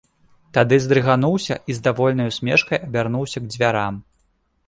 Тады здрыгануўся і з давольнай усмешкай абярнуўся к дзвярам.